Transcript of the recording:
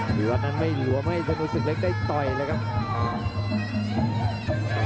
วิวัตนั้นไม่หลวมให้ธนูศึกเล็กได้ต่อยเลยครับ